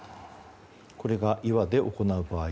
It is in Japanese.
これが岩で行う場合。